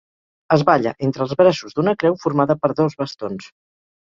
Es balla entre els braços d'una creu formada per dos bastons.